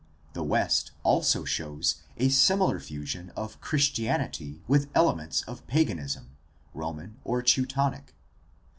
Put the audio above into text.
The West also shows a similar fusion of Christianity with elements of paganism, Roman or Teutonic.